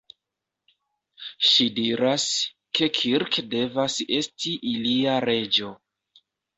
Ŝi diras, ke Kirk devas esti ilia "reĝo".